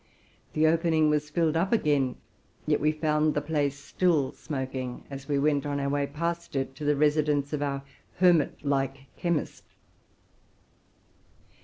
The opening was filled up again, yet we found the place still smoking as we went on our way past it to the residence of our hermit like chemist.